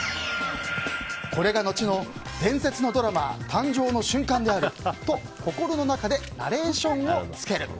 これが後の伝説のドラマー誕生の瞬間であると心の中でナレーションをつける。